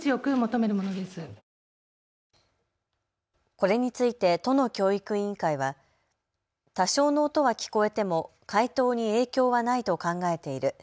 これについて都の教育委員会は多少の音は聞こえても解答に影響はないと考えている。